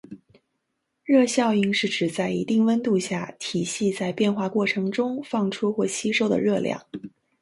热效应是指在一定温度下，体系在变化过程中放出或吸收的热量。